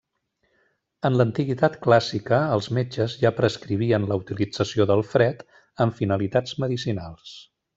En l'antiguitat clàssica, els metges ja prescrivien la utilització del fred amb finalitats medicinals.